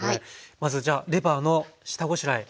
まずじゃあレバーの下ごしらえ。